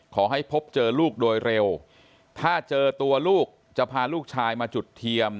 พบเจอลูกโดยเร็วถ้าเจอตัวลูกจะพาลูกชายมาจุดเทียม